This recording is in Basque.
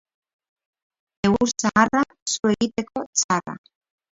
Egur zaharra, su egiteko txarra.